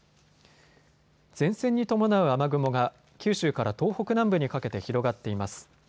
前線に伴う雨雲が九州から東北南部にかけて広がっています。